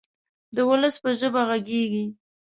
د ولس په ژبه غږیږي.